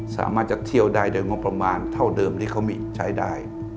สามารถจะเที่ยวได้โดยงบประมาณเท่าเดิมที่เขามีใช้ได้